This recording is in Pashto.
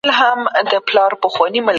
که موږ پرمختګ غواړو نو باید زحمت وباسو.